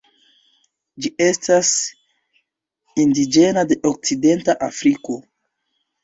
Ĝi estas indiĝena de Okcidenta Afriko.